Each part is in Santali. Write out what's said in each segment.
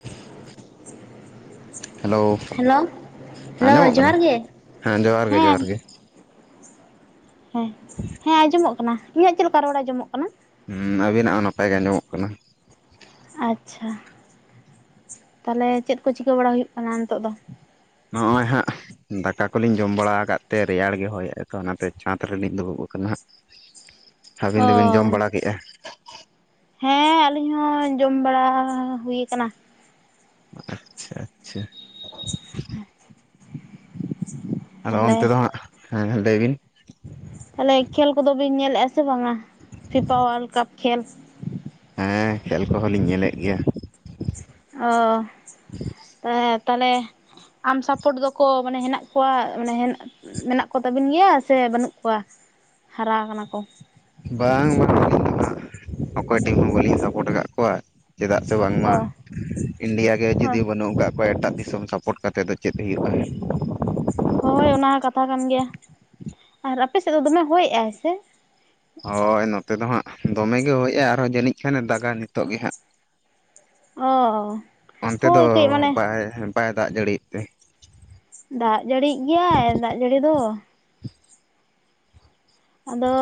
[unintelligible] ᱦᱮᱞᱳ, ᱦᱮᱞᱳ ᱦᱮᱞᱳ ᱟᱸᱡᱚᱢᱚᱜ ᱡᱚᱦᱟᱨ ᱠᱟᱱᱟ, ᱜᱮ ᱦᱮᱸ ᱡᱚᱦᱟᱨ ᱜᱮ ᱡᱚᱦᱟᱨ ᱜᱮ ᱾ ᱦᱮᱸ ᱦᱮᱸ ᱟᱸᱡᱚᱢᱚᱜ ᱠᱟᱱᱟ᱾ ᱤᱧᱟᱹᱜ ᱪᱮᱫ ᱞᱮᱠᱟ ᱨᱚᱲ ᱟᱸᱡᱚᱢᱚᱜ ᱠᱟᱱᱟ? ᱦᱩᱸ ᱟᱵᱤᱱᱟᱜ ᱦᱚᱸ ᱱᱟᱯᱟᱭ ᱜᱮ ᱟᱡᱢᱚᱜ ᱠᱟᱱᱟ ᱾ ᱟᱪᱪᱷᱟ ᱛᱟᱦᱚᱞᱮ, ᱪᱮᱫ ᱠᱚ ᱪᱤᱠᱟᱹ ᱵᱟᱲᱟ ᱦᱩᱭᱩᱜ ᱠᱟᱱᱟ ᱱᱤᱛᱚᱜ ᱫᱚ? ᱦᱚᱜᱼᱚᱭ ᱦᱟᱸᱜ ᱫᱟᱠᱟ ᱠᱚᱞᱤᱧ ᱡᱚᱢ ᱵᱟᱲᱟᱣ ᱠᱟᱫ ᱛᱮ ᱨᱮᱭᱟᱲ ᱜᱮ ᱦᱚᱭᱮᱜᱼᱟ᱾ ᱛᱚ ᱚᱱᱟᱛᱮ ᱪᱟᱸᱫᱽ ᱨᱮᱞᱤᱧ ᱫᱩᱲᱩᱵ ᱟᱠᱟᱱᱟ ᱦᱟᱸᱜ ᱾ [inaudible] ᱚᱸ᱾ ᱦᱮᱸ ᱟᱹᱞᱤᱧ ᱦᱚᱸ ᱡᱚᱢ ᱵᱟᱲᱟ ᱦᱩᱭ ᱠᱟᱱᱟ ᱾ ᱟᱪᱪᱷᱟ ᱟᱪᱪᱷᱟ ᱾ ᱟᱫᱚ ᱛᱟᱦᱚᱞᱮ ᱚᱱᱛᱮ ᱫᱚ ᱦᱟᱸᱜ ᱦᱮᱸ ᱞᱟᱹᱭ ᱵᱤᱱ? ᱛᱟᱦᱚᱞᱮ ᱠᱷᱮᱞ ᱠᱚᱫᱚ ᱵᱤᱱ ᱧᱮᱞᱮᱫᱼᱟ᱾ ᱥᱮ ᱵᱟᱝᱟ ᱯᱷᱤᱯᱟ ᱚᱞᱰ ᱠᱟᱯ ᱠᱷᱮᱞ? ᱦᱮᱸ ᱠᱷᱮᱞ ᱠᱚᱦᱚᱸ ᱞᱤᱧ ᱧᱮᱞᱮᱫ ᱜᱮᱭᱟ ᱚ ᱛᱟᱞᱦᱮ ᱞᱮ ᱟᱢ ᱥᱟᱯᱳᱴ ᱫᱚᱠᱚ ᱢᱟᱱᱮ ᱦᱮᱱᱟᱜ ᱠᱚᱣᱟ, ᱢᱟᱱᱮ ᱦᱮᱱᱟᱜ, ᱢᱮᱱᱟᱜ ᱠᱚ ᱛᱟᱵᱤᱱ ᱜᱮᱭᱟ ᱥᱮ ᱵᱟᱹᱱᱩᱜ ᱠᱚᱼᱼ ᱣᱟᱜ ᱦᱟᱨᱟ ᱠᱟᱱᱟ ᱠᱚ ᱾ ᱵᱟᱝ ᱵᱟᱝ ᱟᱹᱞᱤᱧ ᱫᱚ ᱦᱟᱸᱜ ᱚᱠᱚᱭ, ᱴᱤᱢ ᱦᱚᱸ ᱵᱟᱹᱞᱤᱧ ᱥᱟᱯᱳᱚᱴ ᱠᱟᱜ ᱠᱚᱣᱟ᱾ ᱪᱮᱫᱟᱜ ᱥᱮ ᱵᱟᱝᱢᱟ ᱚ ᱤᱱᱰᱤᱭᱟ ᱜᱮ ᱡᱩᱫᱤ ᱵᱚᱱ ᱱᱚᱝᱟᱼᱼ ᱮᱴᱟᱜ ᱫᱤᱥᱚᱢ ᱥᱟᱯᱚᱴ ᱠᱟᱛᱮᱫ ᱫᱚ ᱪᱮᱫ ᱦᱩᱭᱩᱜᱼᱟ᱾ ᱦᱳᱭ ᱚᱱᱟ ᱦᱚᱸ ᱠᱟᱛᱷᱟ ᱠᱟᱱ ᱜᱮᱭᱟ ᱟᱨ ᱟᱯᱮ ᱥᱮᱫ ᱫᱚ ᱫᱚᱢᱮ ᱦᱚᱭ ᱮᱜᱟᱭ ᱥᱮ ᱦᱳᱭ ᱱᱚᱛᱮ ᱫᱚ ᱦᱟᱸᱜ ᱫᱚᱢᱮ ᱜᱮ ᱦᱚᱭᱼᱟ᱾ ᱟᱨᱦᱚᱸ ᱡᱟᱹᱱᱤᱡ ᱠᱷᱟᱱᱮ ᱫᱟᱜᱟ ᱱᱤᱛᱚᱜ ᱜᱮ ᱦᱟᱸᱜ ᱚ ᱚᱱᱛᱮ ᱫᱚ ᱦᱳᱭ ᱠᱟᱹᱡ ᱢᱟᱱᱮ ᱵᱟᱭ ᱵᱟᱭ ᱫᱟᱜ ᱡᱟᱹᱲᱤᱭᱟᱜ ᱛᱮ᱾ ᱫᱟᱜ ᱡᱟᱹᱲᱤ ᱭᱮᱜ ᱜᱮᱭᱟᱭ ᱫᱟᱜ ᱡᱟᱹᱲᱤ ᱫᱚ᱾ ᱟᱫᱚ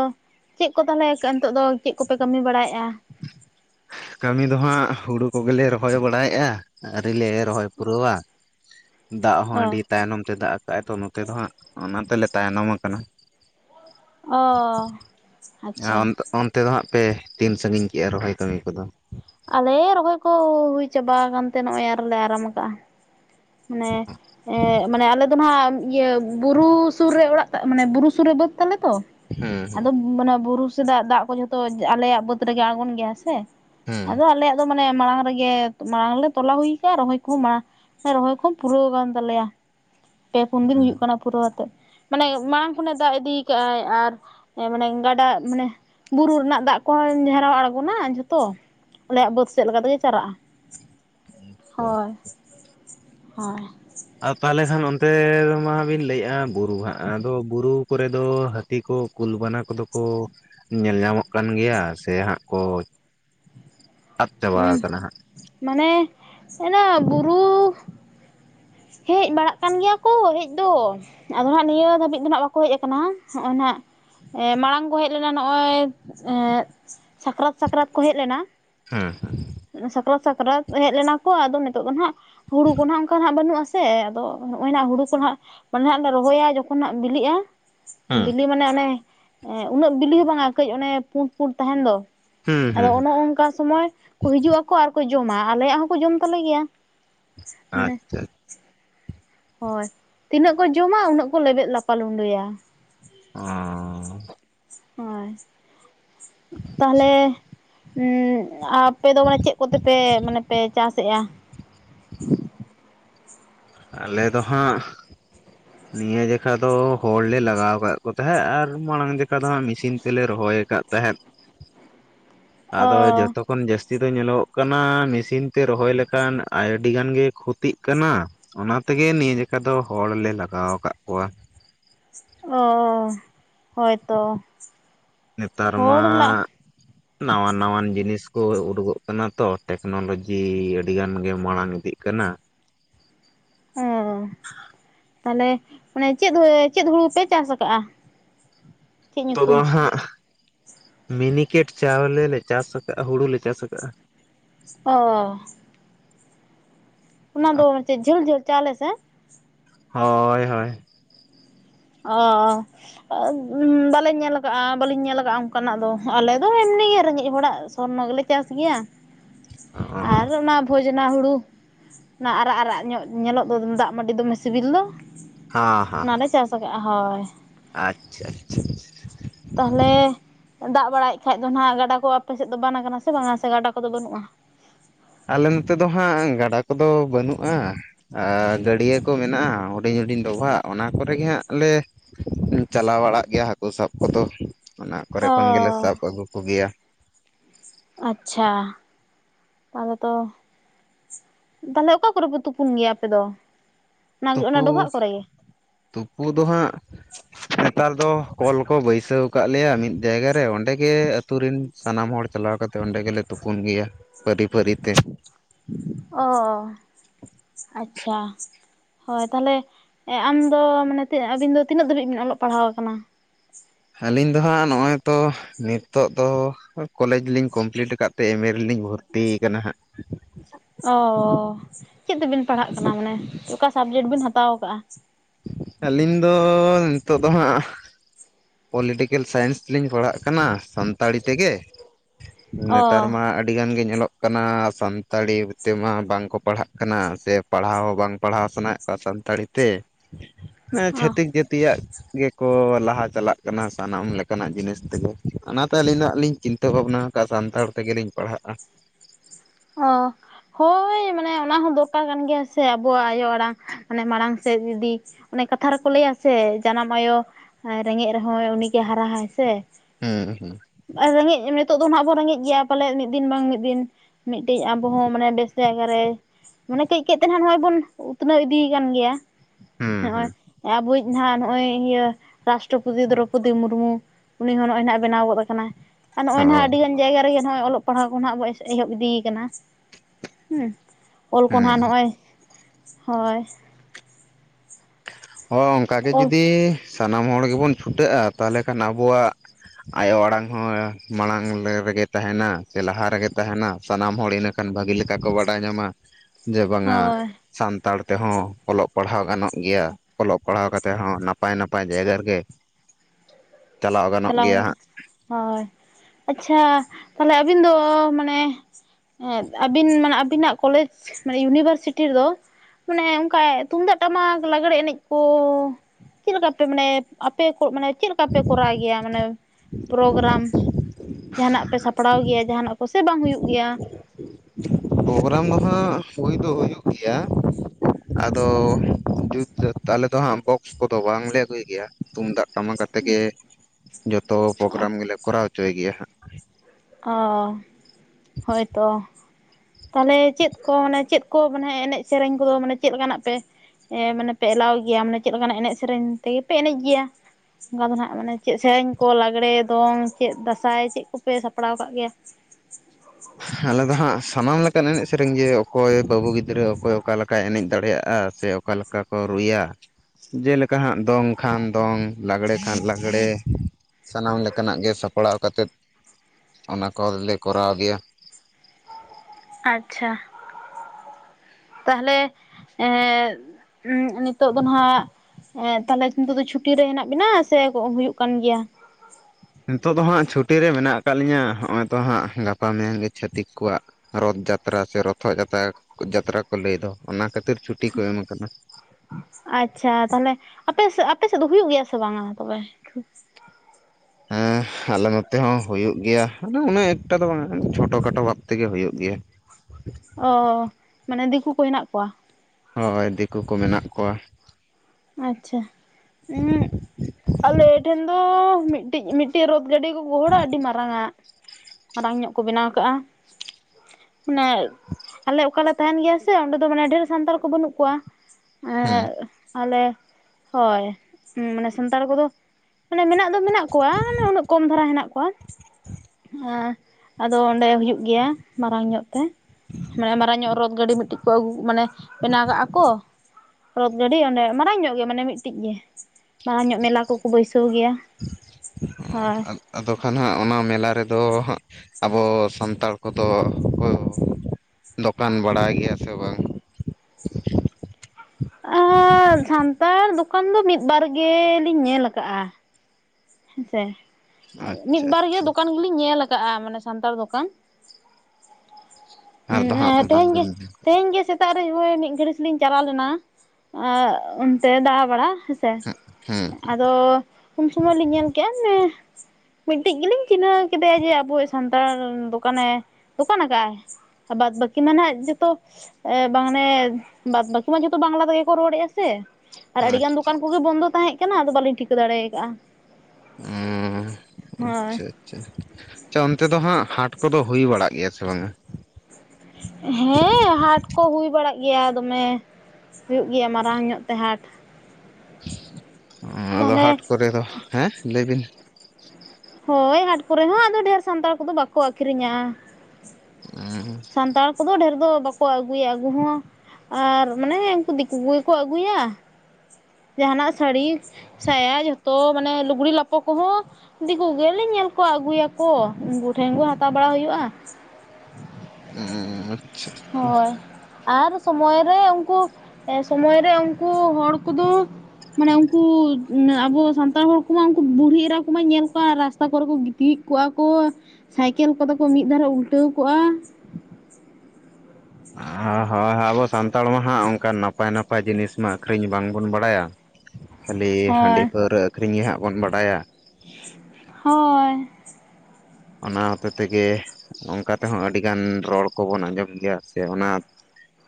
ᱪᱮᱫ ᱠᱚ ᱛᱟᱦᱚᱞᱮ, ᱱᱤᱛᱚᱜ ᱫᱚ ᱪᱮᱫ ᱠᱚᱯᱮ ᱠᱟᱹᱢᱤ ᱵᱟᱲᱟᱭᱮᱫ-ᱟ? ᱠᱟᱹᱢᱤ ᱫᱚ ᱦᱟᱸᱜ ᱦᱩᱲᱩ ᱠᱚᱜᱮᱞᱮ ᱨᱚᱦᱚᱭ ᱵᱟᱲᱟᱭᱮᱫᱼᱟ᱾ ᱟᱹᱨᱤᱞᱮ ᱨᱚᱦᱚᱭ ᱯᱩᱨᱟᱹᱣᱟ ᱫᱟᱜ ᱦᱚᱸ ᱚ ᱟᱹᱰᱤ ᱛᱟᱭᱱᱚᱢ ᱛᱮ ᱫᱟᱜ ᱟᱠᱟᱫ ᱟᱭ, ᱛᱚ ᱱᱚᱛᱮ ᱫᱚ ᱦᱟᱸᱜ ᱚᱱᱟ ᱛᱮᱞᱮ ᱛᱟᱭᱱᱚᱢ ᱠᱟᱱᱟ᱾ ᱚ ᱟᱪᱪᱷᱟ ᱟᱸ ᱚᱱᱼᱼ ᱛᱮᱫ ᱫᱚ ᱦᱟᱸᱜ ᱯᱮ ᱛᱤᱱ ᱥᱟᱺᱜᱤᱧ ᱠᱮᱜᱼᱟ᱾ ᱨᱚᱦᱚᱭ ᱠᱟᱹᱢᱤ ᱠᱚᱫᱚ᱾ ᱟᱞᱮ ᱨᱚᱦᱚᱭ ᱠᱚ ᱦᱩᱭ ᱪᱟᱵᱟ ᱠᱟᱱᱛᱮ, ᱱᱚᱜᱼᱚᱭ ᱟᱨᱚᱞᱮ ᱟᱨᱟᱢ ᱠᱟᱜᱼᱟ ᱾ ᱢᱟᱱᱮ ᱮᱸ ᱢᱟᱱᱮ ᱟᱞᱮ ᱫᱚ ᱱᱟᱜ ᱤᱭᱟᱹ ᱵᱩᱨᱩ ᱥᱩᱨ ᱨᱮ ᱚᱲᱟᱜ ᱛᱟ ᱢᱟᱱᱮ ᱵᱩᱨᱩ ᱥᱩᱨ ᱨᱮ ᱵᱟᱹᱫᱽ ᱛᱟᱞᱮ ᱛᱚ ᱟᱫᱚ ᱢᱟᱱᱮ ᱵᱩᱨᱩ ᱥᱮᱫᱟᱜ ᱫᱟᱜ ᱠᱚ, ᱡᱷᱚᱛᱚ ᱟᱞᱮᱭᱟᱜ ᱵᱟᱹᱫᱽ ᱨᱮᱜᱮ ᱟᱬᱜᱚᱱ ᱜᱮᱭᱟ ᱥᱮ ᱟᱫᱚ ᱟᱞᱮᱭᱟᱜ ᱫᱚ ᱢᱟᱱᱮ ᱢᱟᱲᱟᱝ ᱨᱮᱜᱮ, ᱢᱟᱲᱟᱝ ᱨᱮ ᱞᱮ ᱛᱚᱞᱟ ᱦᱩᱭᱩᱠᱟᱜᱼᱟ᱾ ᱨᱚᱦᱚᱭ ᱠᱚᱦᱚᱸ ᱢᱟᱲᱟᱝ ᱮᱸ ᱨᱚᱦᱚᱭ ᱠᱚᱦᱚᱸ ᱯᱩᱨᱟᱹᱣ ᱠᱟᱱ ᱛᱟᱞᱮᱭᱟ, ᱯᱮ ᱯᱩᱱ ᱫᱤᱱ ᱦᱩᱭᱩᱜ ᱠᱟᱱᱟ ᱯᱩᱨᱟᱹᱣ ᱟᱛᱜ ᱢᱟᱱᱮ ᱢᱟᱲᱟᱝ ᱠᱷᱚᱱᱮ ᱫᱟᱜ ᱤᱫᱤ ᱠᱟᱜᱟᱭ ᱟᱭ ᱟᱨ ᱢᱟᱱᱮ ᱜᱟᱰᱟ ᱢᱟᱱᱮ ᱵᱩᱨᱩ ᱨᱮᱱᱟᱜ ᱫᱟᱜ ᱠᱚᱦᱚᱸ ᱡᱷᱟᱨᱟᱣ ᱟᱬᱜᱚᱱᱟ ᱡᱷᱚᱛᱚ᱾ ᱟᱞᱮᱭᱟᱜ ᱵᱟᱹᱫᱽ ᱪᱮᱫ ᱞᱮᱠᱟ ᱛᱮᱜᱮ ᱪᱟᱨᱟᱜᱼᱟ᱾ ᱦᱳᱭ ᱦᱳᱭ ᱟᱨ ᱛᱟᱦᱚᱞᱮ ᱠᱷᱟᱱ ᱚᱱᱛᱮ ᱢᱟ ᱵᱤᱱ ᱞᱟᱹᱭᱮᱫᱼᱟ᱾ ᱵᱩᱨᱩ ᱦᱟᱸᱜ ᱟᱫᱚ ᱵᱩᱨᱩ ᱠᱚᱨᱮ ᱫᱚ ᱦᱟᱹᱼᱼ ᱦᱟᱹᱛᱤ ᱠᱚ ᱠᱩᱞᱵᱟᱱᱟ ᱠᱚᱫᱚ ᱠᱚ ᱧᱮᱞ ᱧᱟᱢᱚᱜ ᱠᱟᱱ ᱜᱮᱭᱟ ᱥᱮ ᱦᱟᱸᱜ ᱠᱚ ᱟᱫ ᱪᱟᱵᱟ ᱟᱠᱟᱱᱟ ᱦᱟᱸᱜ [unintelligible] ᱢᱟᱱᱮ ᱤᱱᱟᱹ ᱵᱩᱨᱩ ᱦᱮᱡ ᱵᱟᱲᱟᱜ ᱠᱟᱱ, ᱜᱮᱭᱟ ᱠᱚ ᱦᱮᱡ ᱫᱚ᱾ ᱟᱫᱚ ᱦᱟᱹᱜ ᱱᱤᱭᱟᱹ ᱫᱷᱟᱹᱵᱤᱡ ᱫᱚ ᱱᱟᱜ ᱵᱟᱠᱚ ᱦᱮᱡ ᱠᱟᱱᱟ᱾ ᱱᱚᱜᱼᱚᱭ ᱱᱟ ᱢᱟᱲᱟᱝ ᱠᱚ ᱦᱮᱡ ᱞᱮᱱᱟ ᱱᱚᱜᱼᱚᱭ ᱮᱸ ᱥᱟᱠᱨᱟᱛ ᱥᱟᱠᱨᱟᱛ ᱠᱚ ᱦᱮᱡ ᱞᱮᱱᱟ ᱦᱩᱸ ᱦᱩᱸ᱾ ᱥᱟᱠᱨᱟᱛ ᱥᱟᱠᱨᱟᱛ ᱦᱮᱡ ᱞᱮᱱᱟ ᱠᱚ ᱟᱫᱚ ᱱᱤᱛᱚᱜ ᱫᱚ ᱱᱟᱜ ᱦᱩᱲᱩ ᱠᱚ ᱦᱟᱸᱜ ᱚᱱᱠᱟ ᱵᱟᱹᱱᱩᱜ ᱟᱥᱮ ᱟᱫᱚ ᱱᱚ-ᱚᱭ ᱱᱟᱜ ᱦᱩᱲᱩ ᱠᱚ ᱱᱟᱜ᱾ ᱢᱟᱱᱮ ᱦᱟᱸᱜ ᱞᱮ ᱨᱚᱦᱚᱭᱟ ᱡᱚᱠᱷᱚᱱᱼᱟ ᱵᱤᱞᱤᱜᱼᱟ ᱾ ᱦᱮᱸ ᱵᱤᱞᱤ ᱢᱟᱱᱮ ᱚᱱᱮ ᱩᱱᱟᱹᱜ ᱵᱤᱞᱤ ᱦᱚᱸ ᱵᱟᱝᱟ ᱠᱟᱹᱡ ᱚᱱᱮ ᱯᱩᱸᱰ ᱯᱩᱸᱰ ᱛᱟᱦᱮᱱ ᱫᱚ ᱦᱮᱸ ᱟᱫᱚ ᱦᱮᱸ ᱚᱱᱮ ᱚᱱᱠᱟ ᱥᱚᱢᱚᱭ ᱠᱚ ᱦᱤᱡᱩᱜ ᱟᱠᱚ ᱟᱨ ᱠᱚ ᱡᱚᱢᱟ, ᱟᱞᱮᱭᱟᱜ ᱦᱚᱸᱠᱚ ᱡᱚᱢ ᱛᱟᱞᱮ ᱜᱮᱭᱟ ᱾ ᱟᱪᱪᱷᱟ ᱾ ᱦᱳᱭ ᱛᱤᱱᱟᱹᱜ ᱠᱚ ᱡᱚᱢᱟ ᱩᱱᱟᱹᱜ ᱠᱚ ᱞᱮᱵᱮᱫ ᱞᱟᱯᱟᱞ ᱞᱩᱰᱟᱹᱭᱟ ᱾ ᱚᱸᱻ ᱦᱳᱭ ᱛᱟᱦᱚᱞᱮ ᱟᱯᱮ ᱫᱚ ᱢᱟᱱᱮ ᱪᱮᱫ ᱠᱚᱛᱮ ᱯᱮ ᱢᱟᱱᱮ ᱯᱮ ᱪᱟᱥᱮᱜ-ᱟ᱾ ᱟᱞᱮ ᱫᱚ ᱦᱟᱸᱜ ᱱᱤᱭᱟᱹ ᱡᱚᱠᱷᱟ ᱫᱚ ᱦᱚᱲ ᱞᱮ ᱞᱟᱜᱟᱣ ᱠᱟᱜ ᱠᱚ ᱛᱟᱦᱮᱸᱫ ᱟᱨ ᱢᱟᱲᱟᱝ ᱡᱚᱠᱷᱟ ᱫᱚ ᱦᱟᱸᱜ ᱢᱮᱥᱤᱱ ᱛᱮᱞᱮ ᱨᱚᱦᱚᱭ ᱠᱟᱫ ᱛᱟᱦᱮᱸᱫ᱾ ᱚ ᱟᱫᱚᱭ ᱡᱚᱛᱚ ᱠᱷᱚᱱ ᱡᱟᱹᱥᱛᱤ ᱫᱚ ᱧᱮᱞᱚᱜ ᱠᱟᱱᱟ ᱢᱮᱥᱤᱱ ᱛᱮ ᱨᱚᱦᱚᱭ ᱞᱮᱠᱷᱟᱱ ᱟᱹᱰᱤ ᱜᱟᱱ ᱜᱮ ᱠᱷᱚᱛᱤᱜ ᱠᱟᱱᱟ᱾ ᱚᱱᱟ ᱛᱮᱜᱮ ᱱᱤᱭᱟᱹ ᱡᱚᱠᱷᱟ ᱫᱚ ᱦᱚᱲ ᱞᱮ ᱞᱟᱜᱟᱣ ᱟᱠᱟᱫ ᱠᱚᱣᱟ ᱾ ᱚ ᱦᱳᱭ ᱛᱚ ᱾ ᱱᱮᱛᱟᱨ ᱢᱟ ᱱᱟᱣᱟ ᱱᱟᱣᱟᱱ ᱡᱤᱱᱤᱥ ᱠᱚ ᱩᱰᱩᱠᱚᱜ ᱠᱟᱱᱟ ᱛᱚ ᱴᱮᱠᱱᱳᱞᱚᱡᱤ ᱟᱹᱰᱤ ᱜᱟᱱ ᱜᱮ ᱢᱟᱲᱟᱝ ᱤᱫᱤᱜ ᱠᱟᱱᱟ ᱾ [inaudible] ᱛᱟᱦᱚᱞᱮ ᱢᱟᱱᱮ ᱪᱮᱫ ᱦᱳᱭ ᱪᱮᱫ ᱦᱩᱲᱩ ᱯᱮ ᱪᱟᱥ ᱟᱠᱟᱫ-ᱟ? ᱛᱚᱵᱮ ᱦᱟᱸᱜ ᱢᱤᱱᱤᱠᱮᱴ ᱪᱟᱣᱞᱮ ᱞᱮ ᱪᱟᱥ ᱟᱠᱟᱜ-ᱟ ᱦᱩᱲᱩ ᱞᱮ ᱪᱟᱥ ᱟᱠᱟᱜ-ᱟ᱾ ᱚ ᱾ ᱚᱱᱟ ᱫᱚ ᱪᱮᱜ ᱡᱷᱟᱹᱞ ᱡᱷᱟᱹᱞ ᱪᱟᱹᱣᱞᱮ ᱥᱮ? ᱦᱳᱭ ᱦᱳᱭ ᱾ ᱚ ᱾ [inaudible] ᱵᱟᱞᱮ ᱧᱮᱞ ᱠᱟᱜ-ᱟ, ᱵᱟᱹᱞᱤᱧ ᱧᱮᱞ ᱠᱟᱜ-ᱟ, ᱚᱱᱠᱟᱱᱟᱜ ᱫᱚ ᱟᱞᱮ ᱫᱚ ᱮᱢᱱᱤ ᱨᱮᱸᱜᱮᱡ ᱦᱚᱲᱟᱜ ᱥᱚᱨᱱᱚ ᱜᱮᱞᱮ ᱪᱟᱥ ᱜᱮᱭᱟ ᱚ ᱟᱨ ᱦᱟᱸ ᱚᱱᱟ ᱵᱷᱚᱡᱽᱱᱟ ᱦᱩᱲᱩ ᱾ ᱚᱱᱟ ᱟᱨᱟᱜ ᱟᱨᱟᱜ ᱧᱚᱜ ᱧᱮᱞᱚᱜ ᱫᱚ ᱫᱟᱜ ᱢᱟᱹᱰᱤ ᱫᱚᱢᱮ ᱥᱤᱵᱤᱞ ᱫᱚ ᱦᱟᱸ ᱚᱱᱟᱞᱮ ᱪᱟᱥ ᱟᱠᱟᱜ-ᱟ ᱦᱳᱭ᱾ ᱟᱪᱪᱷᱟ ᱟᱪᱪᱷᱟ ᱟᱪᱪᱷᱟ ᱾ ᱛᱟᱦᱚᱞᱮ ᱫᱟᱜ ᱵᱟᱲᱟᱭᱮᱫ ᱠᱷᱟᱡ ᱫᱚ ᱱᱟᱦᱟᱜ ᱜᱟᱰᱟ ᱠᱚ ᱟᱯᱮ ᱥᱮᱫ ᱫᱚ ᱵᱟᱱ ᱠᱟᱱᱟ ᱥᱮ ᱵᱟᱝᱟ ᱥᱮ ᱜᱟᱰᱟ ᱠᱚᱫᱚ ᱵᱟᱹᱱᱩᱜ-ᱟ? ᱟᱞᱮ ᱱᱚᱛᱮ ᱫᱚ ᱦᱟᱸᱜ ᱜᱟᱰᱟ ᱠᱚᱫᱚ ᱵᱟᱹᱱᱩᱜᱼᱟ, ᱟᱸ ᱜᱟᱹᱰᱭᱟᱹ ᱠᱚ ᱢᱮᱱᱟᱜᱼᱟ᱾ ᱦᱩᱰᱤᱧ ᱦᱩᱰᱤᱧ ᱰᱚᱵᱷᱟᱜ ᱚᱱᱟ ᱠᱚᱨᱮ ᱜᱮ ᱦᱟᱸᱜ ᱞᱮ ᱪᱟᱞᱟᱣ ᱵᱟᱲᱟᱜ ᱜᱮᱭᱟ ᱦᱟᱹᱠᱩ ᱥᱟᱵ ᱠᱚᱫᱚ ᱾ ᱚᱱᱟ ᱠᱚᱨᱮ ᱚ ᱠᱷᱚᱱᱜᱮᱞᱮ ᱥᱟᱵ ᱟᱹᱜᱩ ᱠᱚᱜᱮᱭᱟ ᱾ ᱟᱪᱪᱷᱟ, ᱛᱟᱦᱚᱞᱮ ᱛᱚ ᱛᱟᱦᱚᱞᱮ ᱚᱠᱟ ᱠᱚᱨᱮ ᱯᱮ ᱛᱩᱯᱩᱱ ᱜᱮᱭᱟ ᱟᱯᱮ ᱫᱚ? ᱚᱱᱟ ᱚᱱᱟ ᱛᱩᱯᱩ, ᱰᱚᱵᱷᱟᱜ ᱠᱚᱨᱮ ᱜᱮ ᱛᱩᱯᱩ ᱫᱚ ᱦᱟᱸᱜ ᱱᱮᱛᱟᱨ ᱫᱚ ᱠᱚᱞ ᱠᱚ ᱵᱟᱹᱭᱥᱟᱹᱣ ᱟᱠᱟᱫ ᱞᱮᱭᱟ ᱢᱤᱫ ᱡᱟᱭᱜᱟ ᱨᱮ ᱚᱸᱰᱮ ᱜᱮ ᱟᱛᱩ ᱨᱤᱱ ᱥᱟᱱᱟᱢ ᱦᱚᱲ ᱪᱟᱞᱟᱣ ᱠᱟᱛᱮ ᱚᱸᱰᱮ ᱜᱮᱞᱮ ᱛᱩᱯᱩᱱ ᱜᱮᱭᱟ ᱯᱟᱹᱨᱤ ᱯᱟᱹᱨᱤ ᱛᱮ᱾ ᱚ ᱟᱪᱪᱷᱟ ᱾ ᱦᱳᱭ ᱛᱟᱦᱚᱞᱮ ᱮ ᱟᱢᱫᱚ ᱢᱟᱱᱮ ᱟᱵᱤᱱ ᱫᱚ ᱛᱤᱱᱟᱹᱜ ᱫᱷᱟᱹᱵᱤᱡ ᱵᱤᱱ ᱚᱞᱚᱜ ᱯᱟᱲᱦᱟᱣ ᱟᱠᱟᱱᱟ? ᱟᱹᱞᱤᱧ ᱫᱚ ᱦᱟᱸᱜ ᱱᱚᱜ-ᱚᱭ ᱛᱚ ᱱᱤᱛᱚᱜ ᱫᱚ ᱠᱚᱞᱮᱡ ᱞᱤᱧ ᱠᱚᱢᱯᱞᱤᱴ ᱟᱠᱟᱫ ᱛᱮ ᱮᱢ ᱮ ᱨᱮᱞᱤᱧ ᱵᱷᱚᱨᱛᱤᱭ ᱠᱟᱱᱟ ᱦᱟᱸᱜ᱾ ᱚ, ᱪᱮᱫ ᱛᱮᱵᱤᱱ ᱯᱟᱲᱦᱟᱜ ᱠᱟᱱᱟ ᱢᱟᱱᱮ ᱚᱠᱟ ᱥᱟᱵᱽᱡᱮᱠᱴ ᱵᱮᱱ ᱦᱟᱛᱟᱣ ᱟᱠᱟᱟᱜᱼᱟ? ᱟᱹᱞᱤᱧ ᱫᱚ ᱱᱤᱛᱚᱜ ᱫᱚ ᱦᱟᱸᱜ ᱯᱚᱞᱤᱴᱤᱠᱮᱞ ᱥᱟᱭᱮᱱᱥᱞᱤᱧ ᱯᱟᱲᱦᱟᱜ ᱠᱟᱱᱟ ᱥᱟᱱᱛᱟᱲᱤ ᱛᱮᱜᱮ ᱾ ᱚ ᱱᱮᱛᱟᱨ ᱢᱟ ᱟᱹᱰᱤᱜᱟᱱ ᱜᱮ ᱧᱮᱞᱚᱜ ᱠᱟᱱᱟ, ᱥᱟᱱᱛᱟᱲᱤ ᱛᱮᱢᱟ ᱵᱟᱝᱠᱚ ᱯᱟᱲᱦᱟᱜ ᱠᱟᱱᱟ ᱥᱮ ᱯᱟᱲᱦᱟᱣ ᱦᱚᱸ ᱵᱟᱝ ᱯᱟᱲᱦᱟᱣ ᱥᱟᱱᱟᱭᱮᱫ ᱠᱚᱣᱟ ᱥᱟᱱᱛᱟᱲᱤ ᱛᱮ, ᱦᱮᱸ ᱚ ᱪᱷᱟᱹᱛᱤᱠ ᱡᱟᱹᱛᱤᱭᱟᱜ ᱜᱮ ᱠᱚ ᱞᱟᱦᱟ ᱪᱟᱞᱟᱜ ᱠᱟᱱᱟ ᱥᱟᱱᱟᱢ ᱞᱮᱠᱟᱱᱟᱜ ᱡᱤᱱᱤᱥ ᱛᱮ ᱜᱮ, ᱚᱱᱟᱛᱮ ᱟᱹᱞᱤᱧ ᱫᱚ ᱦᱟᱸᱜ ᱞᱤᱧ ᱪᱤᱱᱛᱟᱹ ᱵᱷᱟᱵᱽᱱᱟ ᱟᱠᱟᱜ ᱥᱟᱱᱛᱟᱲ ᱛᱮᱜᱮ ᱞᱤᱧ ᱯᱟᱲᱦᱟᱜᱼᱟ᱾ ᱚᱻ, ᱦᱳᱭ ᱢᱟᱱᱮ ᱚᱱᱟ ᱦᱚᱸ ᱫᱚᱨᱠᱟᱨ ᱠᱟᱱ ᱜᱮᱭᱟ ᱥᱮ ᱟᱵᱚᱣᱟᱜ ᱟᱭᱳ ᱟᱲᱟᱝ ᱢᱟᱱᱮ ᱢᱟᱲᱟᱝ ᱥᱮᱫ ᱤᱫᱤ ᱾ ᱚᱱᱮ ᱠᱟᱛᱷᱟ ᱨᱮ ᱠᱚ ᱞᱟᱹᱭᱟ ᱥᱮ ᱡᱟᱱᱟᱢ ᱟᱭᱳ ᱨᱮᱸᱜᱮᱡ ᱨᱮᱦᱚᱸᱭ ᱩᱱᱤ ᱜᱮ ᱦᱟᱨᱟᱦᱟᱭ ᱥᱮ ᱾ ᱦᱮᱸ ᱦᱮᱸ, ᱨᱮᱸᱜᱮᱡ, ᱱᱤᱛᱳᱜ ᱫᱚ ᱱᱟᱦᱟᱜ ᱵᱚᱱ ᱨᱮᱸᱜᱮᱡ ᱜᱮᱭᱟ ᱯᱟᱞᱮᱫ ᱢᱤᱫ ᱫᱤᱱ ᱵᱟᱝ ᱢᱤᱫ ᱫᱤᱱ, ᱢᱤᱫᱴᱤᱡ ᱟᱵᱚ ᱦᱚᱸ ᱢᱟᱱᱮ ᱵᱮᱥ ᱡᱟᱭᱜᱟ ᱨᱮ, ᱢᱟᱱᱮ ᱠᱟᱹᱡᱠᱟᱹᱡ ᱛᱮ ᱱᱟᱦᱟᱜ ᱱᱚᱜᱼᱚᱭ ᱵᱚᱱ ᱩᱛᱱᱟᱹᱣ ᱤᱫᱤᱭ ᱟᱠᱟᱱ ᱜᱮᱭᱟ ᱦᱩᱸ ᱱᱚᱜᱼᱚᱭ ᱦᱩᱸ ᱟᱵᱚᱭᱤᱡ, ᱱᱟᱦᱟᱜ ᱱᱚᱜᱼᱚᱭ ᱤᱭᱟᱹ ᱨᱟᱥᱴᱨᱚᱯᱚᱛᱤ ᱫᱨᱳᱯᱚᱫᱤ ᱢᱩᱨᱢᱩ ᱩᱱᱤ ᱦᱚᱸ ᱱᱚᱜᱼᱚᱭ ᱱᱟᱦᱟᱜ ᱵᱮᱱᱟᱣ ᱜᱚᱫ ᱟᱠᱟᱱᱟ᱾ ᱟᱨ ᱱᱚᱜ-ᱚᱭ ᱱᱟᱦᱟᱜ ᱦᱳᱭ ᱟᱹᱰᱤᱜᱟᱱ ᱡᱟᱭᱜᱟ ᱨᱮ ᱜᱮ ᱱᱚᱜ-ᱚᱭ ᱚᱞᱚᱜ ᱯᱟᱲᱦᱟᱣ ᱱᱟᱦᱟᱜ ᱵᱚ ᱮᱦᱚᱵ ᱤᱫᱤ ᱠᱟᱱᱟ ᱦᱩᱸ, ᱚᱞ ᱠᱚ ᱦᱩᱸ ᱱᱟᱦᱟᱜ ᱱᱚᱜᱼᱚᱭ ᱦᱚᱭ᱾ ᱦᱚᱸ ᱚᱝᱠᱟᱜᱮ ᱚᱞ ᱡᱩᱫᱤ ᱥᱟᱱᱟᱢ ᱦᱚᱲ ᱜᱮᱵᱚᱱ ᱪᱷᱩᱴᱟᱹᱜᱼᱟ ᱛᱟᱦᱚᱞᱮ ᱠᱷᱟᱱ ᱟᱵᱚᱣᱟᱜ ᱟᱭᱳ ᱟᱲᱟᱝ ᱦᱚᱸ ᱢᱟᱲᱟᱝ ᱞᱮ ᱨᱮ ᱜᱮ ᱛᱟᱦᱮᱱᱟ ᱥᱮ ᱞᱟᱦᱟ ᱨᱮ ᱜᱮ ᱛᱟᱦᱮᱱᱟ ᱥᱟᱱᱟᱢ ᱦᱚᱲ ᱤᱱᱟᱹ ᱠᱷᱟᱱ ᱵᱷᱟᱹᱜᱮ ᱞᱮᱠᱟ ᱠᱚ ᱵᱟᱰᱟᱭ ᱧᱟᱢᱟ᱾ ᱡᱮ ᱵᱟᱝᱟ ᱦᱳᱭ ᱥᱟᱱᱛᱟᱲ ᱛᱮ ᱦᱚᱸ ᱚᱞᱚᱜ ᱯᱟᱲᱦᱟᱣ ᱜᱟᱱᱚᱜ ᱜᱮᱭᱟ ᱾ ᱚᱞᱚᱜ ᱯᱟᱲᱦᱟᱣ ᱠᱟᱛᱮ ᱦᱚᱸ ᱱᱟᱯᱟᱭ ᱱᱟᱯᱟᱭ ᱡᱟᱭᱜᱟ ᱨᱮ ᱜᱮ ᱪᱟᱞᱟᱣ ᱦᱟᱸᱜ ᱦᱳᱭ, ᱟᱪᱪᱷᱟ ᱛᱟᱦᱞᱮ ᱟᱹᱵᱤᱱ ᱫᱚ ᱢᱟᱱᱮ ᱦᱮᱸ ᱟᱹᱵᱤᱱ ᱢᱟᱱᱮ ᱟᱹᱵᱤᱱᱟᱜ ᱠᱚᱞᱮᱡᱽ ᱢᱟᱱᱮ ᱤᱭᱩᱱᱤᱵᱷᱟᱨᱥᱤᱴᱤ ᱨᱮ ᱫᱚ, ᱢᱟᱱᱮ ᱚᱱᱠᱟ ᱛᱩᱢᱫᱟᱜ ᱴᱟᱢᱟᱠ ᱞᱟᱜᱽᱲᱮ ᱮᱱᱮᱡ ᱠᱚ ᱪᱮᱫ ᱞᱮᱠᱟ ᱯᱮ ᱢᱟᱱᱮ ᱟᱯᱮ ᱠᱚ ᱢᱟᱱᱮ ᱪᱮᱫ ᱞᱮᱠᱟ ᱯᱮ ᱠᱚᱨᱟᱣ ᱜᱮ ᱢᱟᱱᱮ ᱯᱨᱳᱜᱨᱟᱢ ᱡᱟᱦᱟᱱᱟᱜ ᱯᱮ ᱥᱟᱯᱲᱟᱣ ᱜᱮᱭᱟ ᱡᱟᱦᱟᱱᱟᱜ ᱠᱚ ᱥᱮ ᱵᱟᱝ ᱦᱩᱭᱩᱜ ᱜᱮᱭᱟ? ᱯᱨᱳᱜᱨᱟᱢ ᱫᱚ ᱦᱟᱸᱜ ᱦᱩᱭ ᱫᱚ ᱦᱩᱭᱩᱜ ᱜᱮᱭᱟ, ᱟᱫᱚ ᱡᱩᱛ ᱛᱟᱞᱮᱫ ᱫᱚ ᱦᱟᱸᱜ ᱵᱚᱠᱥ ᱠᱚ ᱫᱚ ᱵᱟᱝᱞᱮ ᱟᱹᱜᱩᱭ ᱜᱮᱭᱟ, ᱛᱩᱢᱫᱟᱜ ᱴᱟᱢᱟᱠ ᱟᱛᱮ ᱜᱮ ᱡᱚᱛᱚ ᱯᱨᱳᱜᱨᱟᱢ ᱜᱮ ᱞᱮ ᱠᱚᱨᱟᱣ ᱦᱚᱪᱚᱭ ᱜᱮᱭᱟ ᱦᱟᱸᱜ, ᱚᱻ ᱦᱳᱭ ᱛᱚ ᱛᱟᱦᱚᱞᱮ ᱪᱮᱫ ᱠᱚ ᱢᱟᱱᱮ ᱪᱮᱫ? ᱠᱚ ᱢᱟᱱᱮ ᱮᱱᱮᱡ ᱥᱮᱨᱮᱧ ᱠᱚ ᱫᱚ ᱢᱟᱱᱮ ᱪᱮᱫ ᱞᱮᱠᱟᱱᱟᱜ ᱯᱮ ᱦᱮᱸ ᱢᱟᱱᱮ ᱯᱮ ᱮᱞᱟᱣ ᱜᱮᱭᱟ ᱢᱟᱱᱮ ᱪᱮᱫ ᱞᱮᱠᱟ ᱱᱟᱜ ᱮᱱᱮᱡ ᱥᱮᱨᱮᱧ ᱛᱮ ᱜᱮ ᱯᱮ ᱮᱱᱮᱡ ᱜᱮᱭᱟ? ᱚᱝᱠᱟ ᱫᱚ ᱦᱟᱸᱜ ᱢᱟᱱᱮ ᱪᱮᱫ ᱥᱮᱨᱮᱧ ᱠᱚ ᱞᱟᱜᱽᱲᱮ ᱫᱚᱝ ᱪᱮᱫ ᱫᱟᱸᱥᱟᱭ ᱪᱮᱫ ᱠᱚ ᱯᱮ ᱥᱟᱯ ᱥᱟᱯᱲᱟᱣ ᱟᱠᱟᱜ ᱜᱮᱭᱟ, ᱟᱞᱮ ᱫᱚ ᱦᱟᱸᱜ ᱥᱟᱱᱟᱢ ᱞᱮᱠᱟᱱ ᱮᱱᱮᱡ ᱥᱮᱨᱮᱧ ᱡᱮ ᱚᱠᱚᱭ ᱵᱟᱹᱵᱩ ᱜᱤᱫᱽᱨᱟᱹ ᱚᱠᱚᱭ ᱚᱠᱟ ᱞᱮᱠᱟᱭ ᱮᱱᱮᱡ ᱫᱟᱲᱮᱭᱟᱜᱼᱟ ᱥᱮ ᱚᱠᱟ ᱞᱮᱠᱟ, ᱚᱠᱟ ᱠᱚ ᱨᱩᱭᱟ, ᱡᱮᱞᱮᱠᱟ ᱦᱟᱸᱜ ᱫᱚᱝ ᱠᱷᱟᱱ ᱫᱚᱝ, ᱞᱟᱸᱜᱽᱲᱮ ᱠᱷᱟᱱ ᱞᱟᱸᱟᱜᱽᱲᱮ, ᱥᱟᱱᱟᱢ ᱞᱮᱠᱟᱱᱟᱜ ᱜᱮ ᱥᱟᱯᱲᱟᱣ ᱠᱟᱛᱮᱫ ᱚᱱᱟ ᱠᱚ ᱞᱮ ᱠᱚᱨᱟᱣ ᱜᱮᱭᱟ ᱾ ᱟᱪᱼᱪᱷᱟ, ᱛᱟᱦᱚᱞᱮ ᱱᱤᱛᱳᱜ ᱫᱚ ᱱᱟᱦᱟᱜ, ᱛᱟᱦᱞᱮ ᱱᱤᱛᱚᱜ ᱫᱚ ᱪᱷᱩᱴᱤ ᱨᱮ ᱦᱮᱱᱟᱜ ᱵᱤᱱᱟ ᱥᱮ ᱦᱩᱭᱩᱜ ᱠᱟᱱ ᱜᱮᱭᱟ? ᱱᱤᱛᱚᱜ ᱫᱚ ᱦᱟᱸᱜ ᱪᱷᱩᱴᱤ ᱨᱮ ᱢᱮᱱᱟᱜ ᱟᱠᱟᱫ ᱞᱤᱧᱟᱹ ᱱᱚᱜᱼᱚᱭ ᱛᱚ ᱦᱟᱸᱜ ᱜᱟᱯᱟ ᱢᱮᱭᱟᱝ ᱜᱮ ᱪᱷᱟᱹᱛᱤᱠ ᱠᱚᱣᱟᱜ ᱨᱚᱛᱷ ᱡᱟᱛᱨᱟ ᱥᱮ ᱨᱚᱛᱷᱚ ᱡᱟᱛᱨᱟ ᱡᱟᱛᱨᱟ ᱠᱚ ᱞᱟᱹᱭ ᱫᱚ ᱚᱱᱟ ᱠᱷᱟᱹᱛᱤᱨ ᱪᱷᱩᱴᱤ ᱠᱚ ᱮᱢ ᱟᱠᱟᱱᱟ ᱾ ᱟᱪᱼᱪᱷᱟ ᱛᱟᱦᱞᱮ ᱟᱯᱮ ᱟᱯᱮ ᱥᱮᱫ ᱫᱚ ᱦᱩᱭᱩᱜ ᱜᱮᱭᱟ ᱥᱮ ᱵᱟᱝᱟ ᱛᱚ ᱵᱮ? ᱦᱮᱸ, ᱟᱞᱮ ᱱᱚᱛᱮ ᱦᱚᱸ ᱦᱩᱭᱩᱜ ᱜᱮᱭᱟ ᱩᱱᱟᱹᱜ ᱮᱠᱴᱟ ᱫᱚ ᱵᱟᱝ ᱪᱷᱳᱴᱳ ᱠᱷᱟᱴᱳ ᱵᱷᱟᱵᱽ ᱛᱮ ᱜᱮ ᱦᱩᱭᱩᱜ ᱜᱮᱭᱟ ᱾ ᱚᱻ ᱢᱟᱱᱮ ᱫᱤᱠᱩ ᱠᱚ ᱦᱮᱱᱟᱜ ᱠᱚᱣᱟ, ᱦᱚᱸ ᱦᱚᱭ ᱫᱤᱠᱩ ᱠᱚ ᱢᱮᱱᱟᱜ ᱠᱚᱣᱟ᱾ ᱟᱪᱪᱷᱟ ᱩᱸ ᱦᱩᱸᱜ ᱟᱞᱮ ᱴᱷᱮᱱ ᱫᱚ ᱢᱤᱴᱤᱜ ᱢᱤᱫ ᱴᱤᱜ ᱨᱳᱫ ᱜᱟᱹᱰᱤ ᱠᱚ ᱜᱚᱦᱚᱲᱟ ᱟᱹᱰᱤ ᱢᱟᱨᱟᱝᱟᱜ ᱢᱟᱨᱟᱝ ᱧᱚᱜ ᱠᱚ ᱵᱮᱱᱟᱣ ᱠᱟᱜᱼᱟ᱾ ᱢᱟᱱᱮ ᱟᱞᱮ ᱚᱠᱟᱞᱮ ᱛᱟᱦᱮᱸᱱ ᱜᱮᱭᱟ ᱥᱮ ᱚᱸᱰᱮ ᱫᱚ ᱢᱟᱱᱮ ᱰᱷᱮᱨ ᱥᱟᱱᱛᱟᱲ ᱠᱚ ᱵᱟᱹᱱᱩᱜ ᱠᱚᱣᱟ᱾ ᱦᱮᱸ [unintelligible] ᱟᱞᱮ ᱦᱳᱭ, ᱢᱟᱱᱮ ᱥᱟᱱᱛᱟᱲ ᱠᱚᱫᱚ ᱢᱟᱱᱮ ᱢᱮᱱᱟᱜ ᱫᱚ ᱢᱮᱱᱟᱜ ᱠᱚᱣᱟ ᱢᱟᱱᱮ ᱩᱱᱟᱹᱜ ᱠᱚᱢ ᱫᱷᱟᱨᱟ ᱦᱮ ᱠᱚᱣᱟ᱾ ᱦᱮᱸ ᱟᱫᱚ ᱚᱸᱰᱮ ᱦᱩᱭᱩᱜ ᱜᱮᱭᱟ ᱢᱟᱨᱟᱝ ᱧᱚᱜ ᱛᱮ᱾ ᱢᱟᱱᱮ ᱢᱟᱨᱟᱝ ᱧᱚᱜ ᱨᱚᱛ ᱜᱟᱹᱰᱤ ᱢᱤᱜᱴᱤᱜ ᱠᱚ ᱟᱹᱜᱩ ᱢᱟᱱᱮ, ᱵᱮᱱᱟᱣ ᱠᱟᱜᱼᱟ ᱠᱚ ᱨᱚᱛ ᱜᱟᱹᱰᱤ ᱚᱸᱰᱮ ᱢᱟᱨᱟᱝ ᱧᱚᱜ ᱜᱮ ᱢᱟᱱᱮ ᱢᱤᱜᱴᱤᱜ ᱜᱮᱭᱟ᱾ ᱞᱟᱦᱟ ᱧᱚᱜ ᱢᱮᱞᱟ ᱠᱚᱠᱚ ᱵᱟᱹᱭᱥᱟᱹᱣ ᱜᱮᱭᱟ ᱦᱳᱭ᱾ ᱟᱫᱚ ᱠᱷᱟᱱ ᱦᱟᱸᱜ ᱚᱱᱟ ᱢᱮᱞᱟ ᱨᱮᱫᱚ ᱦᱟᱸᱜ ᱟᱵᱚ ᱥᱟᱱᱛᱟᱲ ᱠᱚᱫᱚ ᱠᱚ ᱫᱚᱠᱟᱱ ᱵᱟᱲᱟᱭ ᱜᱮᱭᱟ ᱥᱮ ᱵᱟᱝ? ᱟᱸ ᱥᱟᱱᱛᱟᱲ ᱫᱚᱠᱟᱱ ᱫᱚ ᱢᱤᱫᱵᱟᱨ ᱜᱮᱻᱞᱤᱧ ᱧᱮᱞ ᱠᱟᱜᱼᱟ᱾ ᱦᱮᱸᱥᱮ ᱟᱪᱪᱷᱟ ᱢᱤᱫᱵᱟᱨ ᱤᱭᱟᱹ ᱟᱪᱪᱷᱟ ᱫᱚᱠᱟᱱ ᱫᱚᱞᱤᱧ ᱧᱮᱞ ᱠᱟᱜᱼᱟ ᱢᱟᱱᱮ ᱥᱟᱱᱛᱟᱲ ᱫᱚᱠᱟᱱ᱾ ᱟᱨ ᱫᱚ ᱩᱸ ᱦᱟᱸᱜ ᱮᱸ ᱛᱮᱦᱮᱧ ᱜᱮ ᱵᱟᱝᱵᱤᱱ ᱛᱮᱦᱮᱧ ᱜᱮ ᱥᱮ ᱥᱮᱛᱟᱜ ᱨᱮ ᱦᱳᱭ ᱢᱤᱜ ᱜᱷᱟᱹᱲᱤᱡ ᱥᱮᱞᱤᱧ ᱪᱟᱞᱟᱣ ᱞᱮᱱᱟ ᱟᱸ ᱚᱱᱛᱮ ᱫᱟᱬᱟᱵᱟᱲᱟ ᱥᱮ ᱦᱮᱸ ᱟᱫᱚ ᱩᱱ ᱥᱚᱢᱚᱭ ᱞᱤᱧ ᱧᱮᱞ ᱠᱮᱜᱼᱟ ᱚᱱᱮ, ᱢᱤᱜᱴᱤᱜ ᱜᱮᱞᱤᱧ ᱪᱤᱱᱦᱟᱹᱣ ᱠᱮᱫᱮᱭᱟ ᱡᱮ ᱟᱵᱚᱭᱤᱡ ᱥᱟᱱᱛᱟᱲ ᱫᱚᱠᱟᱱᱮ ᱫᱚᱠᱟᱱ ᱟᱠᱟᱜᱼᱟᱭ᱾ ᱟ ᱵᱟᱫᱽ ᱵᱟᱹᱠᱤ ᱢᱟ ᱱᱟᱦᱟᱸᱜ ᱡᱚᱛᱚ ᱮᱸ ᱵᱟᱝᱱᱮ ᱵᱟᱫᱽ ᱵᱟᱠᱤ ᱢᱟ ᱡᱚᱛᱚ ᱵᱟᱝᱞᱟ ᱛᱮᱜᱮ ᱠᱚ ᱨᱚᱲᱮᱜᱼᱟ ᱥᱮ᱾ ᱟᱨ ᱟᱹᱰᱤᱜᱟᱱ ᱟᱪᱪᱷᱟ ᱫᱚᱠᱟᱱ ᱠᱚᱜᱮ ᱵᱚᱱᱫᱚ ᱛᱟᱦᱮᱸᱜ ᱠᱟᱱᱟ ᱟᱫᱚ ᱵᱟᱹᱞᱤᱧ ᱴᱷᱤᱠᱟᱹ ᱫᱟᱲᱮᱭ ᱠᱟᱜᱼᱟ᱾ ᱟᱪᱪᱷᱟ ᱟᱪᱪᱷᱟ, ᱟᱪᱪᱷᱟ ᱚᱱᱛᱮ ᱫᱚ ᱦᱟᱸᱜ ᱦᱟᱴ ᱠᱚᱫᱚ ᱦᱩᱭ ᱵᱟᱲᱟᱜ ᱜᱮᱭᱟ ᱥᱮ ᱵᱟᱝᱟ? ᱦᱮᱸ ᱦᱟᱴ ᱠᱚ ᱦᱩᱭ ᱵᱟᱲᱟᱜ ᱜᱮᱭᱟ ᱫᱚᱢᱮ ᱦᱩᱭᱩᱜ ᱜᱮᱭᱟ ᱢᱟᱨᱟᱝ ᱧᱚᱜ ᱛᱮ ᱦᱟᱴ᱾ ᱚᱸ ᱟᱫᱚ ᱦᱟᱴ ᱛᱟᱦᱚᱞᱮ ᱠᱚᱨᱮ ᱫᱚ ᱦᱮᱸ, ᱞᱟᱹᱭ ᱵᱤᱱ? ᱦᱳᱭ ᱦᱟᱴ ᱠᱚᱨᱮ ᱦᱚᱸ ᱟᱫᱚ ᱰᱷᱮᱨ ᱥᱟᱱᱛᱟᱲ ᱠᱚᱫᱚ ᱵᱟᱠᱚ ᱟᱹᱠᱷᱨᱤᱧᱟᱜᱼᱟ᱾ ᱩᱸ ᱥᱟᱱᱛᱟᱲ ᱠᱚᱫᱚ ᱰᱷᱮᱨ ᱫᱚ ᱵᱟᱠᱚ ᱟᱹᱜᱩᱭᱟ ᱟᱹᱜᱩ ᱦᱚᱸ᱾ ᱟᱨ ᱢᱟᱱᱮ ᱩᱱᱠᱩ ᱫᱤᱠᱩ ᱠᱚᱜᱮ ᱠᱚ ᱟᱹᱜᱩᱭᱟ ᱡᱟᱦᱟᱸᱱᱟᱜ ᱥᱟᱹᱲᱤᱥ ᱥᱟᱭᱟ ᱡᱚᱛᱚ ᱢᱟᱱᱮ ᱞᱩᱜᱽᱲᱤ ᱞᱟᱯᱚ ᱠᱚᱦᱚᱸ, ᱫᱤᱠᱩ ᱜᱮᱞᱤᱧ ᱧᱮᱞ ᱠᱚᱣᱟ ᱟᱹᱜᱩᱭᱟᱠᱚ ᱩᱱᱠᱩ ᱴᱷᱮᱱ ᱠᱚ ᱦᱟᱛᱟᱣ ᱵᱟᱲᱟ ᱦᱩᱭᱩᱜᱼᱟ᱾ ᱦᱩᱸ ᱟᱨ ᱦᱳᱭ, ᱟᱨ ᱥᱚᱢᱚᱭ ᱨᱮ ᱩᱱᱠᱩ ᱮ ᱥᱚᱢᱚᱭ ᱨᱮ ᱩᱱᱠᱩ ᱦᱚᱲ ᱠᱚᱫᱚ, ᱢᱟᱱᱮ ᱩᱱᱠᱩ ᱩᱸ ᱟᱵᱚ ᱥᱟᱱᱛᱟᱲ ᱦᱚᱲ ᱠᱚᱢᱟ ᱩᱱᱠᱩ ᱵᱩᱲᱦᱤ ᱮᱨᱟ ᱠᱚᱢᱟᱧ ᱧᱮᱞ ᱠᱚᱣᱟ ᱨᱟᱥᱛᱟ ᱠᱚᱨᱮ ᱠᱚ ᱜᱤᱛᱤᱡ ᱠᱚᱜᱼᱟ ᱠᱚ ᱥᱟᱭᱠᱮᱞ ᱠᱚᱫᱚ ᱠᱚ ᱢᱤᱜ ᱫᱷᱟᱨᱮ ᱩᱞᱴᱟᱹᱣ ᱠᱚᱜᱼᱟ᱾ ᱟ ᱦᱚᱭ ᱦᱚᱭ ᱟᱵᱚ ᱥᱟᱱᱛᱟᱲ ᱢᱟ ᱦᱟᱸᱜ ᱚᱱᱠᱟᱱ ᱱᱟᱯᱟᱭ ᱱᱟᱯᱟᱭ ᱡᱤᱱᱤᱥ ᱢᱟ ᱟᱹᱠᱷᱨᱤᱧ ᱵᱟᱝᱵᱚᱱ ᱵᱟᱲᱟᱭᱟ᱾ ᱠᱷᱟᱹᱞᱤ ᱦᱟᱺᱰᱤ ᱦᱳᱭ ᱯᱟᱹᱣᱨᱟᱹ ᱟᱹᱠᱷᱨᱤᱧ ᱜᱮᱦᱟᱸᱜ ᱵᱚᱱ ᱵᱟᱰᱟᱭᱟ᱾ ᱦᱳᱭ, ᱚᱱᱟ ᱦᱚᱛᱮ ᱛᱮᱜᱮ ᱚᱝᱠᱟ ᱛᱮᱦᱚᱸ ᱟᱹᱰᱤᱜᱟᱱ ᱨᱚᱲ ᱠᱚᱵᱚᱱ ᱟᱸᱡᱚᱢ ᱜᱮᱭᱟ ᱥᱮ ᱚᱱᱟ,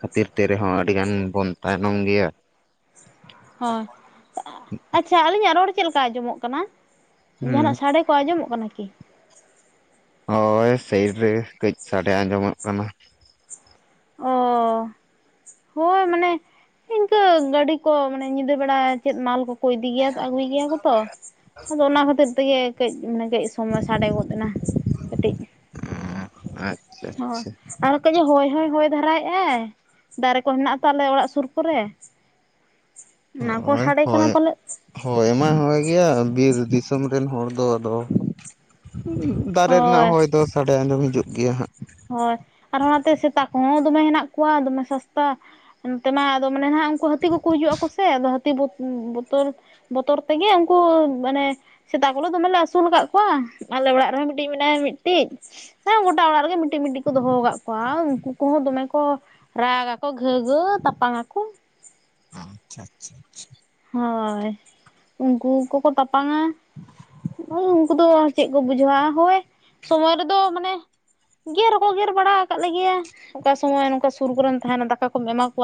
ᱠᱷᱟᱹᱛᱤᱨ ᱛᱮ ᱨᱮᱦᱚᱸ ᱟᱹᱰᱤ ᱜᱟᱱ ᱵᱚᱱ ᱛᱟᱭᱱᱚᱢ ᱜᱮᱭᱟ᱾ ᱦᱳᱭ, ᱟᱪᱪᱷᱟ ᱟᱹᱞᱤᱧᱟᱜ ᱨᱚᱲ ᱪᱮᱜ ᱞᱮᱠᱟ ᱟᱸᱡᱚᱢᱚᱜ ᱠᱟᱱᱟ, ᱦᱮᱸ ᱡᱟᱦᱟᱸᱱᱟᱜ ᱥᱟᱰᱮ ᱠᱚ ᱟᱸᱡᱚᱢᱚᱜ ᱠᱟᱱᱟ ᱠᱤ? ᱦᱳᱭ ᱥᱟᱭᱤᱰ ᱨᱮ ᱠᱟᱹᱡ ᱥᱟᱰᱮ ᱟᱸᱡᱚᱢᱚᱜ ᱠᱟᱱᱟ᱾ ᱚᱻ ᱦᱳᱭ ᱢᱟᱱᱮ ᱤᱱᱠᱟᱹ ᱜᱟᱹᱰᱤ ᱠᱚ ᱢᱟᱱᱮ ᱧᱤᱫᱟᱹ ᱵᱮᱲᱟ ᱪᱮᱫ ᱢᱟᱞ ᱠᱚ, ᱠᱚ ᱤᱫᱤ ᱜᱮᱭᱟ ᱛᱚ ᱟᱹᱜᱩᱭ ᱜᱮᱭᱟ ᱠᱚ ᱛᱚ ᱟᱫᱚ ᱚᱱᱟ ᱦᱚᱛᱮᱜ ᱛᱮᱜᱮ ᱠᱟᱹᱡ ᱢᱟᱱᱮ ᱠᱟᱹᱡ ᱥᱚᱢᱚᱭ ᱥᱟᱰᱮ ᱜᱚᱫ ᱮᱱᱟ ᱠᱟᱹᱴᱤᱡ ᱟᱪᱪᱷᱟ ᱦᱳᱭ᱾ ᱟᱪᱪᱷᱟ ᱟᱨ ᱠᱟᱡᱮ ᱦᱚᱭ ᱦᱚᱸᱭ ᱦᱚᱭ ᱫᱷᱟᱨᱟᱭᱮᱫ ᱟᱭ ᱫᱟᱨᱮ ᱠᱚ ᱦᱮᱱᱟᱜ-ᱟ ᱛᱚ ᱟᱞᱮ ᱚᱲᱟᱜ ᱥᱩᱨ ᱠᱚᱨᱮ᱾ ᱚᱱᱟ ᱠᱚ ᱦᱳᱭ ᱥᱟᱰᱮ ᱠᱟᱱᱟ ᱦᱳᱭ ᱯᱟᱞᱮᱫ ᱾ ᱦᱳᱭ ᱢᱟᱭ ᱦᱚᱭ ᱜᱮᱭᱟ ᱵᱤᱨ ᱫᱤᱥᱚᱢ ᱨᱮᱱ ᱦᱚᱲ ᱫᱚ ᱟᱫᱚ ᱫᱟᱨᱮ ᱨᱮᱱᱟᱜ ᱦᱳᱭ ᱦᱚᱭ ᱫᱚ ᱥᱟᱰᱮ ᱟᱸᱡᱚᱢ ᱦᱤᱡᱩᱜ ᱜᱮᱭᱟ ᱦᱟᱸᱜ ᱾ ᱦᱳᱭ ᱟᱨ ᱚᱱᱟᱛᱮ ᱥᱮᱛᱟ ᱠᱚᱦᱚᱸ ᱫᱚᱢᱮ ᱦᱮᱱᱟᱜ ᱠᱚᱣᱟ ᱫᱚᱢᱮ ᱥᱟᱥᱛᱟ᱾ ᱚᱱᱛᱮ ᱢᱟ ᱟᱫᱚ ᱢᱟᱱᱮ ᱦᱟᱜ ᱩᱱᱠᱩ ᱦᱟᱹᱛᱤ ᱠᱚᱠᱚ ᱦᱤᱡᱩᱜᱼᱟ ᱠᱚ ᱥᱮ ᱟᱫᱚ ᱦᱟᱹᱛᱤ ᱵᱚᱛᱚᱨ ᱵᱚᱛᱚᱨ ᱛᱮᱜᱮ ᱩᱱᱠᱩ ᱢᱟᱱᱮ ᱥᱮᱛᱟ ᱠᱚᱞᱮ ᱫᱚᱢᱮᱞᱮ ᱟᱹᱥᱩᱞ ᱟᱠᱟᱫ ᱠᱚᱣᱟ ᱟᱞᱮ ᱚᱲᱟᱜ ᱨᱮᱦᱚᱸ ᱢᱤᱫᱴᱤᱡ ᱢᱮᱱᱟᱭᱟ ᱢᱤᱫᱴᱤᱡ ᱦᱮᱸ ᱜᱚᱴᱟ ᱚᱲᱟᱜ ᱨᱮᱜᱮ ᱠᱟᱹᱴᱤᱡ ᱢᱟᱹᱴᱤᱡ ᱠᱚ ᱫᱚᱦᱚ ᱟᱠᱟᱫ ᱠᱚᱣᱟ ᱾ ᱩᱱᱠᱩ ᱠᱚᱦᱚᱸ ᱫᱚᱢᱮ ᱠᱚ ᱨᱟᱜᱟ ᱠᱚ ᱜᱷᱟᱹᱣ ᱜᱷᱟᱹᱣ ᱛᱟᱯᱟᱢ ᱟᱠᱚ᱾ ᱟᱪᱪᱷᱟ ᱟᱪᱪᱷᱟ ᱟᱪᱪᱷᱟ᱾ ᱦᱳᱭ ᱩᱱᱠᱩ ᱠᱚᱠᱚ ᱛᱟᱯᱟᱝᱟ᱾ ᱩᱱᱠᱩ ᱫᱚ ᱪᱮᱫ ᱠᱚ ᱵᱩᱡᱷᱟᱹᱣᱟ ᱦᱳᱭ ᱥᱚᱢᱚᱭ ᱨᱮᱫᱚ ᱢᱟᱱᱮ ᱜᱮᱨ ᱦᱚᱸᱠᱚ ᱜᱮᱨ ᱵᱟᱲᱟ ᱟᱠᱟᱫ ᱞᱮᱜᱮᱭᱟ ᱚᱠᱟ ᱥᱚᱢᱚᱭ ᱱᱚᱝᱠᱟ ᱥᱩᱨ ᱠᱚᱨᱮᱢ ᱛᱟᱦᱮᱸᱱᱟ ᱫᱟᱠᱟ ᱠᱚᱢ ᱮᱢᱟ ᱠᱚᱣᱟ᱾